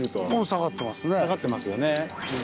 下がってますよね。